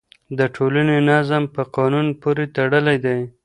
د ټولني نظم په قانون پورې تړلی دی.